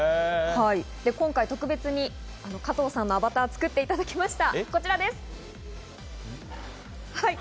今回特別に加藤さんのアバターを作っていただきました。